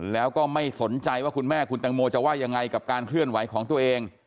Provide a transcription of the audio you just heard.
แล้วก็ไม่สนใจว่าคุณแม่คุณแตงโมจะว่ายังไงกับการเคลื่อนไหวของตัวเอง